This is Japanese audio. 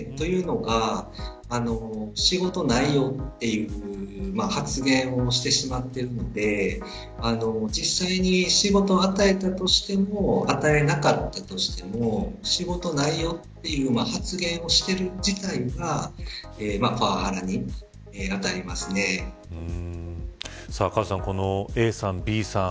というのが仕事ないよ、という発言をしてしまっているので実際に仕事を与えたとしても与えなかったとしても仕事ないよという発言をしている実態がカズさん、このＡさん、Ｂさん